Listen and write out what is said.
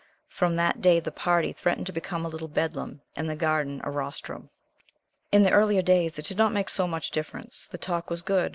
From that day the party threatened to become a little Bedlam, and the garden a rostrum. In the earlier days it did not make so much difference. The talk was good.